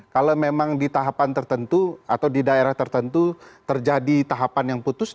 kalau memang di tahapan tertentu atau di daerah tertentu terjadi tahapan yang putus